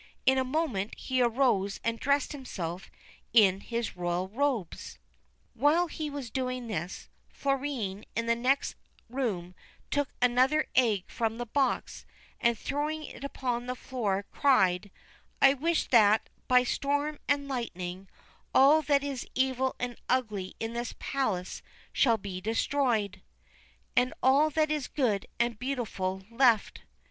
In a moment he arose and dressed himself in his royal robes. 92 THE BLUE BIRD While he was doing this, Florine in the next room took another egg from the box, and, throwing it upon the floor, cried :' I wish that, by storm and lightning, all that is evil and ugly in this palace shall be destroyed, and all that is good and beautiful left.'